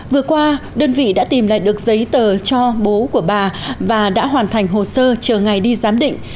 vừa qua đơn vị đã tìm lại được giấy tờ cho bố của bà và đã hoàn thành hồ sơ chờ ngày đi giám định